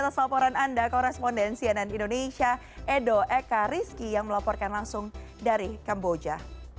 pembaruan anda koresponden cnn indonesia edo eka rizky yang melaporkan langsung dari kamboja